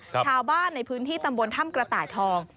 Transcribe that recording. ชาวบ้านในพื้นที่ตำบลถ้ำกระต่ายทอง